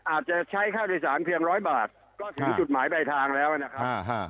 อาจจะใช้ค่าโดยสารเพียงร้อยบาทก็ถึงจุดหมายปลายทางแล้วนะครับ